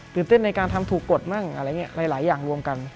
เต้นในการทำถูกกฎมั่งอะไรอย่างนี้หลายอย่างรวมกัน